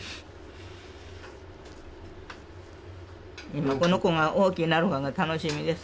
今この子が大きくなるのが楽しみです。